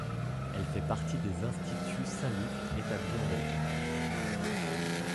Elle fait partie des Instituts Saint-Luc établis en Belgique.